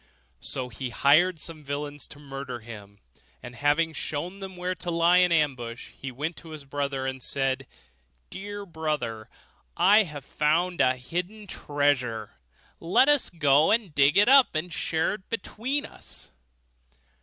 So he hired some villains to murder him; and having shown them where to lie in ambush, he went to his brother, and said, 'Dear brother, I have found a hidden treasure; let us go and dig it up, and share it between us.